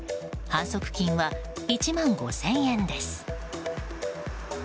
反則金は１万５０００円です。